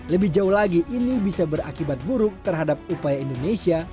lebih jauh lagi ini bisa berakibat buruk terhadap upaya indonesia